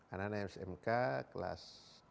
anak anak yang smk kelas tiga